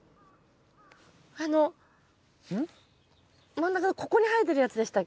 真ん中のここに生えてるやつでしたっけ？